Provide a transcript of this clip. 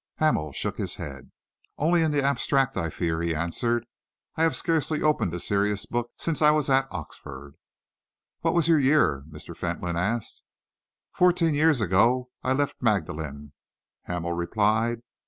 Hamel shook his head. "Only in the abstract, I fear," he answered. "I have scarcely opened a serious book since I was at Oxford." "What was your year?" Mr. Fentolin asked. "Fourteen years ago I left Magdalen," Hamel replied.